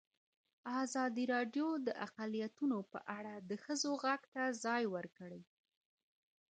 ازادي راډیو د اقلیتونه په اړه د ښځو غږ ته ځای ورکړی.